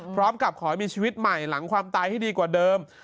พร้อมกับขอให้มีชีวิตใหม่หลังความตายให้ดีกว่าเดิม